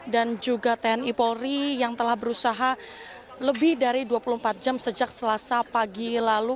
dan juga tni polri yang telah berusaha lebih dari dua puluh empat jam sejak selasa pagi lalu